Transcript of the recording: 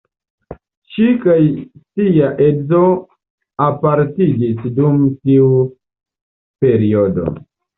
Ŝi kaj sia edzo apartiĝis dum tiu periodo.